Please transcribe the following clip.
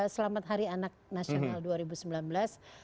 selamat hari anak nasional dua ribu sembilan belas